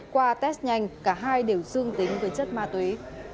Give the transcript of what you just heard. qua test nhanh cả hai đều dương tính với chất ma túy